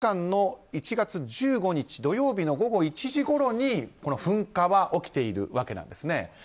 改めて日本時間の１月１５日土曜日の午後１時ごろにこの噴火は起きているわけなんですね。